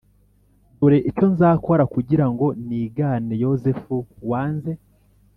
Dore icyo nzakora kugira ngo nigane yozefu wanze